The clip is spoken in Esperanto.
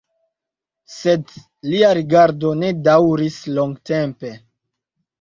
Sed lia regado ne daŭris longtempe.